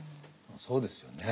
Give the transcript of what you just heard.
そうですよね。